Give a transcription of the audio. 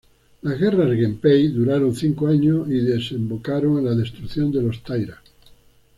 Las guerras Genpei duraron cinco años y desembocaron en la destrucción de los Taira.